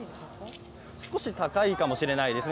少し高いかもしれないですね。